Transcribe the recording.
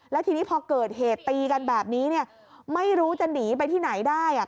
แล้วทีนี้พอเกิดเหตุตีกันแบบนี้เนี่ยไม่รู้จะหนีไปที่ไหนได้อ่ะ